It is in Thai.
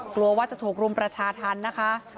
กลัวว่าจะถูกรุมประชาธรรมนะคะ